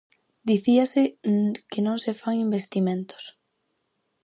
Dicíase que non se fan investimentos.